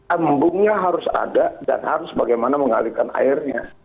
embungnya harus ada dan harus bagaimana mengalihkan airnya